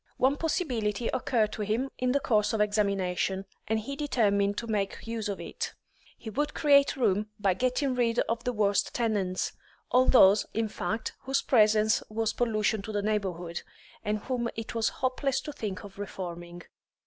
One possibility occurred to him in the course of examination, and he determined to make use of it; he would create room by getting rid of the worst tenants, all those, in fact, whose presence was pollution to the neighbourhood, and whom it was hopeless to think of reforming.